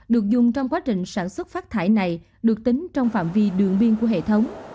được dùng trong quá trình sản xuất phát thải này được tính trong phạm vi đường biên của hệ thống